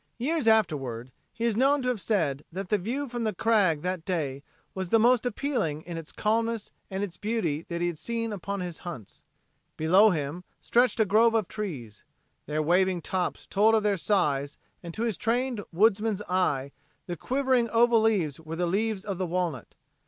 Years afterward he is known to have said that the view from the crag that day was the most appealing in its calmness and its beauty that he had seen upon his hunts. Below him stretched a grove of trees. Their waving tops told of their size and to his trained woodsman's eye the quivering oval leaves were the leaves of the walnut.